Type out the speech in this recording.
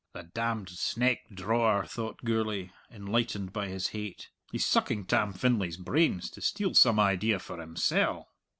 "The damned sneck drawer!" thought Gourlay, enlightened by his hate; "he's sucking Tam Finlay's brains, to steal some idea for himsell!"